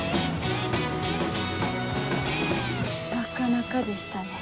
なかなかでしたね。